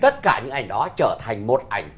tất cả những ảnh đó trở thành một ảnh